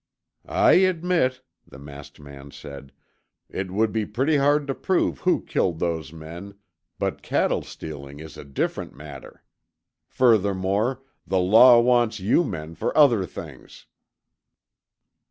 "I admit," the masked man said, "it would be pretty hard to prove who killed those men, but cattle stealing is a different matter. Furthermore, the law wants you men for other things."